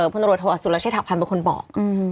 พนโรทโทอสุรชธักษ์ภัณฑ์เป็นคนบอกอืม